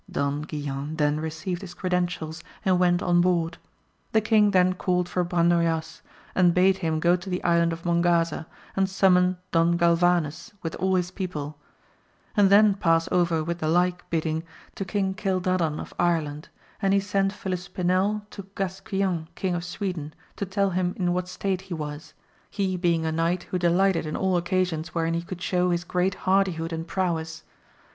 Don Guilan then received his credentials and went on board. The king then called for Brandoyuas and bade him go to the Island of Mongaza and summon Don Galvanes with all his people, and then pass over with the like bidding to King Cildadan of Ireland ; and he 118 AMADIS OF GAUL. sent Filispinel to Gasquilan Eang of Sweden, to tell him in what state he was, he heing a knight who delighted in all occasions wherein he could show his great hardihood and prowess.